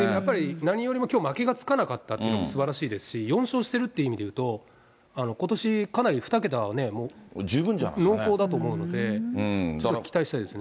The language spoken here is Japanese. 何よりもまず、きょう負けがつかなかったというのがすばらしいですし、４勝してるって意味で言うと、ことしかなり２桁は濃厚だと思うので、ちょっと期待したいですね。